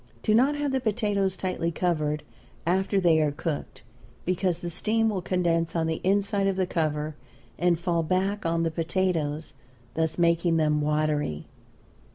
Do not have the potatoes tightly covered after they are cooked, because the steam will condense on the inside of the cover and fall back on the potatoes, thus making them watery.